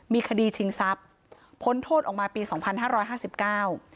มีคดีชิงทรัพย์พ้นโทษออกมาปีสองพันห้าร้อยห้าสิบเก้า